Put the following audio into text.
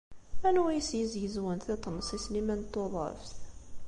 Anwa ay as-yezzegzwen tiṭ-nnes i Sliman n Tuḍeft?